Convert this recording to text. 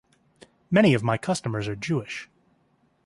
Many of my customers are Jewish.